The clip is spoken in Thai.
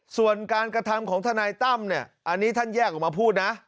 ส่วนการกระทำของทนายตั้มเนี่ยอันนี้ท่านแยกออกมาพูดนะ